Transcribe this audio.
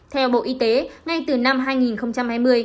theo bộ y tế ngay từ năm hai nghìn hai mươi